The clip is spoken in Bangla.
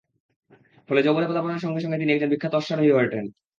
ফলে যৌবনে পদার্পণের সঙ্গে সঙ্গে তিনি একজন বিখ্যাত অশ্বারোহী হয়ে উঠেন।